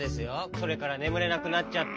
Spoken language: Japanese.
それからねむれなくなっちゃって。